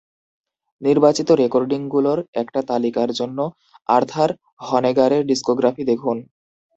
নির্বাচিত রেকর্ডিংগুলোর একটা তালিকার জন্য আর্থার হনেগারের ডিস্কোগ্রাফি দেখুন।